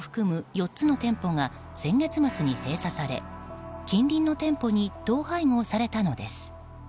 ４つの店舗が先月末に閉鎖され近隣の店舗に統廃合されたのです。